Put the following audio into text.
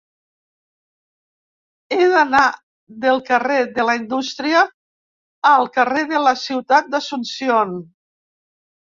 He d'anar del carrer de la Indústria al carrer de la Ciutat d'Asunción.